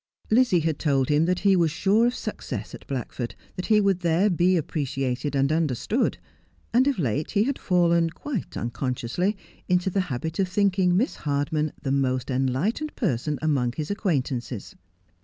Lizzie had told him that he was sure of success at Blackford, that he would there be appreciated and understood ; and of late he had fallen, quite unconsciously, into the habit of thinking Miss Hardman the most enlightened person among his acquaint ances.